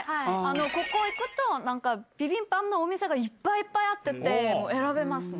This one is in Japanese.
ここ行くと、なんかビビンバのお店がいっぱいいっぱいあって、選べますね。